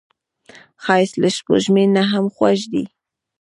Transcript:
ښایست له سپوږمۍ نه هم خوږ دی